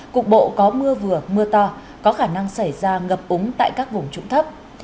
cục bộ có mưa vừa mưa to có khả năng xảy ra ngập úng tại các vùng trũng thấp